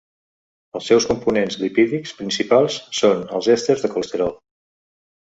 Els seus components lipídics principals són els èsters de colesterol.